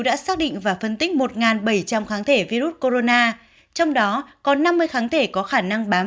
đã xác định và phân tích một bảy trăm linh kháng thể virus corona trong đó có năm mươi kháng thể có khả năng bám